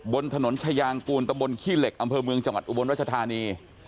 บนถนนชายางกูลตะบนขี้เหล็กอำเภอเมืองจังหวัดอุบลรัชธานี